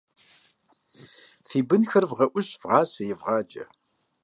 Фи бынхэр вгъэӀущ, вгъасэ, евгъаджэ.